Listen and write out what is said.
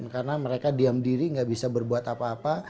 karena mereka diam diri gak bisa berbuat apa apa